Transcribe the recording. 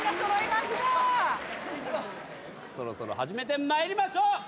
そろそろ始めてまいりましょう。